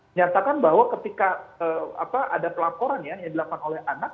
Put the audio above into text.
menyatakan bahwa ketika ada pelaporan ya yang dilakukan oleh anak